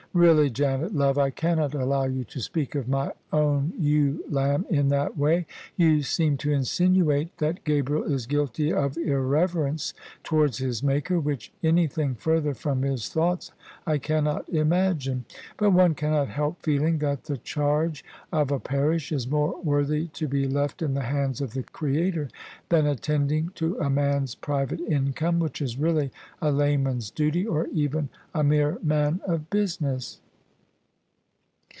" Really, Janet, love, I cannot allow you to speak of my own ewe lamb in that way: you seem to insinuate that Gabriel is guilty of irreverence towards his Maker, which anything further from his thoughts I cannot imagine. But one cannot help feeling that the charge of a parish is more worthy to be left in the Hands of the Creator than attending to a man's private income, which is really a layman's duty, or even a mere man of business."